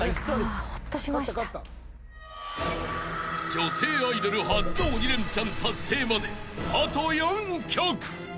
［女性アイドル初の鬼レンチャン達成まであと４曲］